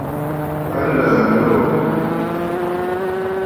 A lə̀ə̀ noò.